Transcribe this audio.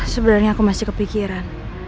sebenarnya aku masih kepikiran